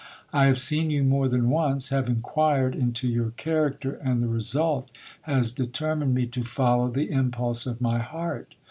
I have seen you more than once, have inquired into your character, and the result has determined me to follow the impulse of my heart.